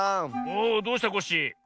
おおどうしたコッシー？